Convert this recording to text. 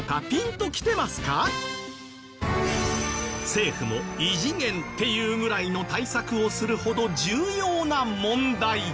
政府も「異次元」って言うぐらいの対策をするほど重要な問題。